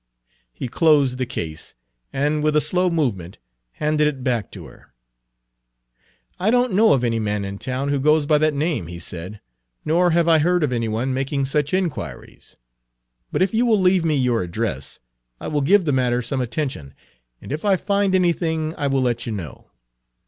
He closed the case, and with a slow movement handed it back to her. "I don't know of any man in town who goes by that name," he said, "nor have I heard of any one making such inquiries. But if you will leave me your address, I will give the matter some attention, and if I find out anything I will let you know."